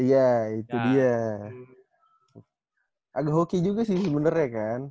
ya itu dia agak hoki juga sih sebenarnya kan